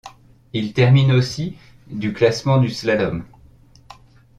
Il termine aussi du classement du slalom.